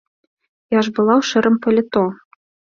Я ж была ў шэрым паліто.